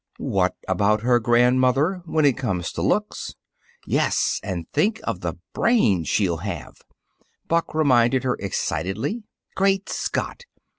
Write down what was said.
"What about her grandmother, when it comes to looks! Yes, and think of the brain she'll have," Buck reminded her excitedly. "Great Scott!